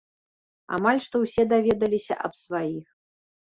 Амаль што ўсе даведаліся аб сваіх.